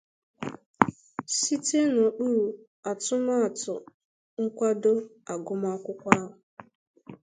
Site n'okpuru atụmatụ nkwàdo agụmakwụkwọ ahụ